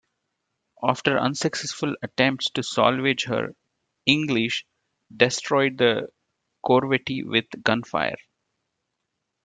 After unsuccessful attempts to salvage her, "English" destroyed the corvette with gunfire.